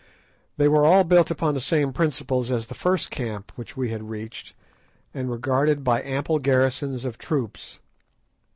They were all built upon the same principles as the first camp which we had reached, and were guarded by ample garrisons of troops.